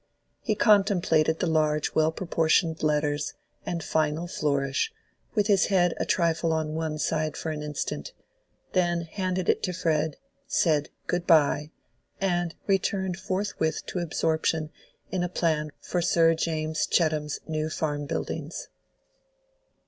He contemplated the large well proportioned letters and final flourish, with his head a trifle on one side for an instant, then handed it to Fred, said "Good by," and returned forthwith to his absorption in a plan for Sir James Chettam's new farm buildings.